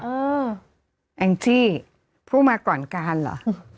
อเจมส์แอ้งจี่พูดมาก่อนการละ